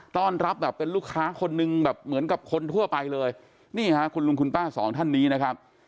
ต้อนรับแบบเป็นลูกค้าคนนึงแบบเหมือนกับคนทั่วไปเลยนี่ฮะคุณลุงคุณป้าสองท่านนี้นะครับ